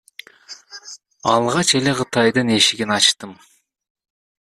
Алгач эле Кытайдын эшигин ачтым.